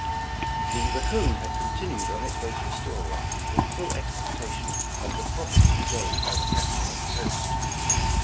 The Raccoon had continued on its way to Astoria, in full expectation of the profit to be gained by the cap ture of the post.